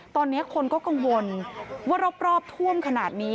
ตอนนี้คนก็กังวลว่ารอบท่วมขนาดนี้